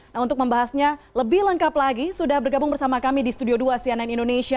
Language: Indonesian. nah untuk membahasnya lebih lengkap lagi sudah bergabung bersama kami di studio dua cnn indonesia